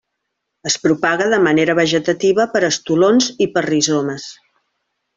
Es propaga de manera vegetativa per estolons i per rizomes.